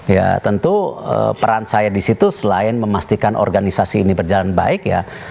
ya tentu peran saya di situ selain memastikan organisasi ini berjalan baik ya